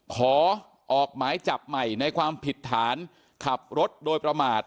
ขอออกหมายจับใหม่ในความผิดฐานขับรถโดยประมาท